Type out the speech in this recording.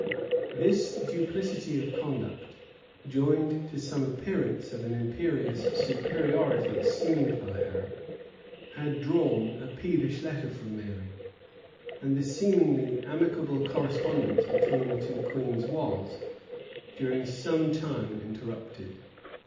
[*] This duplicity of conduct, joined to some appearance of an imperious superiority assumed by her, had drawn a peevish letter from Mary; and the seemingly amicable correspondence between the two queens was, during some time, interrupted.